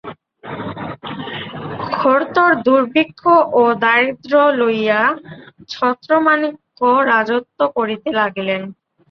ঘোরতর দুর্ভিক্ষ ও দারিদ্র্য লইয়া ছত্রমাণিক্য রাজত্ব করিতে লাগিলেন।